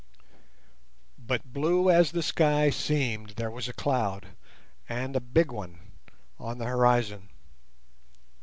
But blue as the sky seemed, there was a cloud, and a big one, on the horizon.